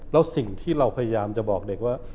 แล้วสิ่งที่เราพยายามจะบอกเด็กว่า